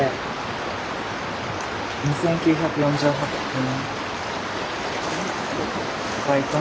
２，９４８分。